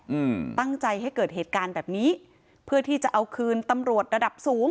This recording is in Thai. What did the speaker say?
อืมตั้งใจให้เกิดเหตุการณ์แบบนี้เพื่อที่จะเอาคืนตำรวจระดับสูง